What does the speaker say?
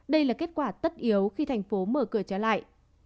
đây là kết quả tất yếu khi thành phố mở cửa trở lại